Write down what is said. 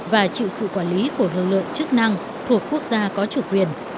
và chịu sự quản lý của lực lượng chức năng thuộc quốc gia có chủ quyền